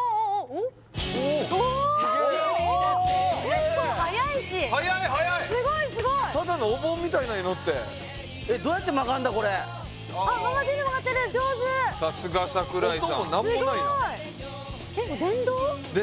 おっ結構速いしすごいすごいただのお盆みたいなのに乗ってえっどうやって曲がるんだこれ曲がってる上手さすが櫻井さん音も何もないなえっこれ電動？